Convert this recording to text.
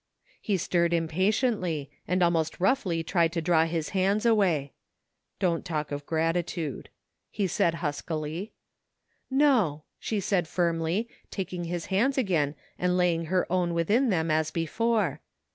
He stirred impatiently, and almost roughly tried to draw his hands away. Don't talk of gratitude/' he said huskily. No," she said firmly, taking his hands again and laying her own within them as before.